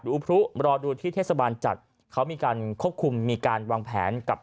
อุพลุรอดูที่เทศบาลจัดเขามีการควบคุมมีการวางแผนกับ